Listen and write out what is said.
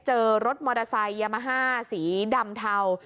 เจอรถมอเตอร์ไซค์ยามาฮ่าสีดำเทา